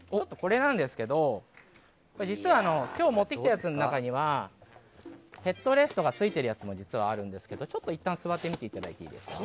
実は今日持ってきたやつの中にはヘッドレストがついてやるやつもあるんですがちょっといったん座っていただいていいですか。